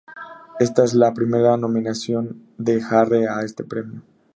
Esta es la primera nominación de Jarre a este premio.